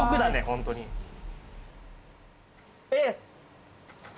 ホントにえっ！